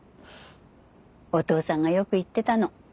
お父さんがよく言ってたの。